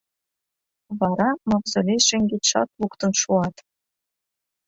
Вара Мавзолей шеҥгечшат луктын шуат.